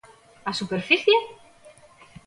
¿A superficie?